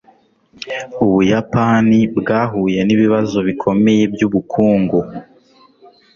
ubuyapani bwahuye nibibazo bikomeye byubukungu